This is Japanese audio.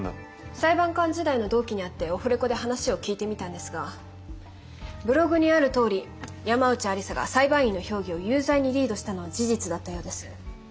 裁判官時代の同期に会ってオフレコで話を聞いてみたんですがブログにあるとおり山内愛理沙が裁判員の評議を有罪にリードしたのは事実だったようです。